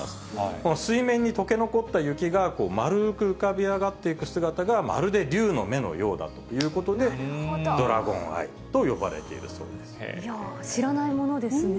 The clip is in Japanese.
この水面にとけ残った雪が丸く浮かび上がっていく姿が、まるで龍の目のようだということで、ドラゴンアイと呼ばれているいやぁ、知らないものですね。